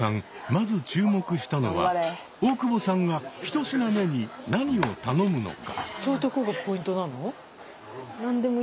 まず注目したのは大久保さんが１品目に何を頼むのか？